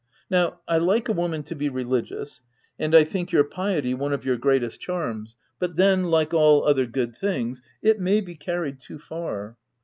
Now I like a woman to be religious, and I think your piety one of your greatest charms, 72 THE TENANT but then, like all other good things, it may be carried too far.